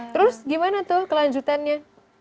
terus gimana tuh kelanjutannya